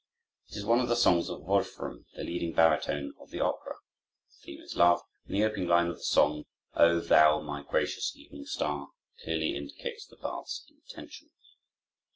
It is one of the songs of Wolfram, the leading baritone of the opera. The theme is love, and the opening line of the song, "O thou, my gracious evening star," clearly indicates the bard's intention.